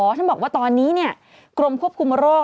ท่านบอกว่าตอนนี้กรมควบคุมโรค